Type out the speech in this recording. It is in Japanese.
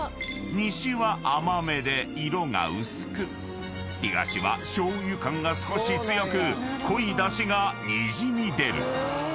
［西は甘めで色が薄く東はしょう油感が少し強く濃い出汁がにじみ出る］